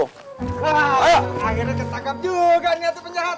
akhirnya ditangkap juga nih atau penjahat